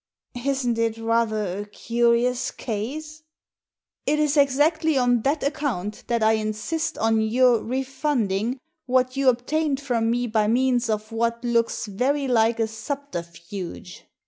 " Isn't it rather a curious case ?" *It is exactly on that account that I insist on your refunding what you obtained from me by means of what looks very like a subterfuge.